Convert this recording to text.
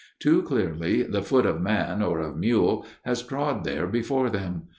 Too clearly, the foot of man, or of mule, has trod there before them.